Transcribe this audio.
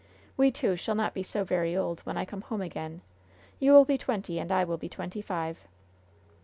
We two shall not be so very old when I come home again. You will be twenty, and I will be twenty five."